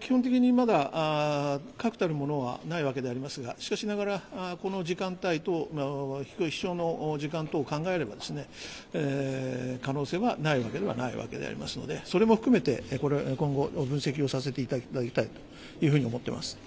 基本的にまだ確たるものはないわけでありますがしかしながらこの時間帯、飛しょうの時間等を考えれば可能性はないわけではないわけでありますのでそれも含めて今後分析をさせていただきたいというふうに思っています。